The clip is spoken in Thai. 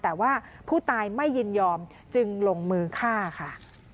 แต่ว่าผู้ตายไม่ยินยอมจึงลงมือฆ่าค่ะ